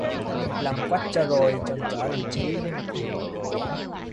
Làm quách cho rồi, chần chờ làm chi!